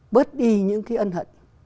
bớt đi những cái ân hận